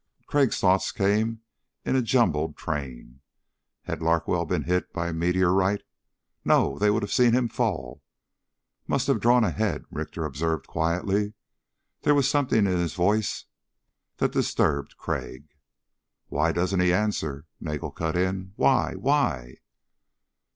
Crag's thoughts came in a jumbled train. Had Larkwell been hit by a meteorite? No, they would have seen him fall. "Must have drawn ahead," Richter observed quietly. There was something in his voice that disturbed Crag. "Why doesn't he answer?" Nagel cut in. "Why? why?"